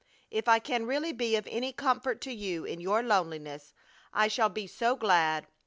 If I can really be of any comfort to you in your loneliness I shall be so glad.